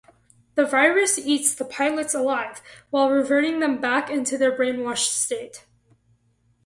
The virus eats the Pilots alive while reverting them back into their brainwashed state.